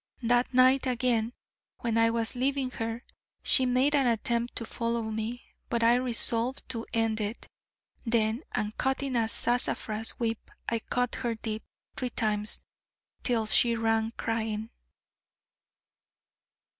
That night again, when I was leaving her, she made an attempt to follow me. But I was resolved to end it, then: and cutting a sassafras whip I cut her deep, three times, till she ran, crying.